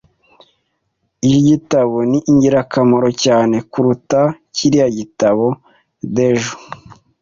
Iki gitabo ni ingirakamaro cyane kuruta kiriya gitabo. (Dejo)